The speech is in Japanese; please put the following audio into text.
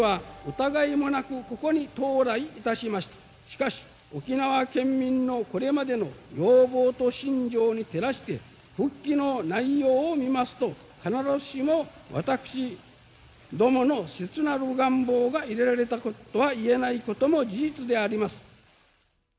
しかし沖縄県民のこれまでの要望と心情に照らして復帰の内容を見ますと必ずしも私どもの切なる願望が入れられたとは言えないことも事実であります。